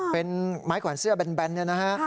เป็นไม้แขวนเสื้อแบนเนี่ยนะฮะ